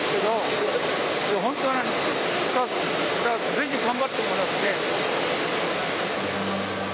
ぜひ頑張ってもらって。